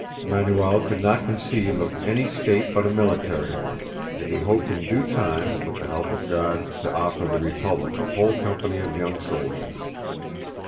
Manuel could not conceive of any state but a military one, and he hoped in due time, with the help of God, to offer the republic a whole company of young soldiers.